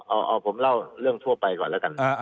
เอาผมเล่าเรื่องทั่วไปก่อนแล้วกัน